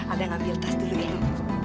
ada ngambil tas dulu ya bu